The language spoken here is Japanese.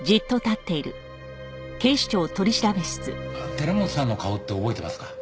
寺本さんの顔って覚えてますか？